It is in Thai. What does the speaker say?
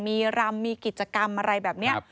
มีรำมีกิจกรรมอะไรแบบนี้